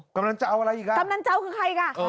กำนันเจ้าอะไรอีกอ่ะกำนันเจ้าคือใครอีกอ่ะเออ